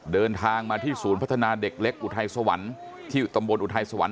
เดินทางมาที่ศูนย์พัฒนาเด็กเล็กอุทัยสวรรค์ที่ตำบลอุทัยสวรรค